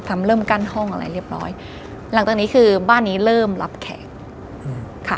เริ่มกั้นห้องอะไรเรียบร้อยหลังจากนี้คือบ้านนี้เริ่มรับแขกค่ะ